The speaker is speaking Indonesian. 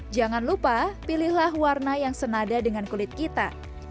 jangan lupa pilihlah warna yang senada dengan kulit kita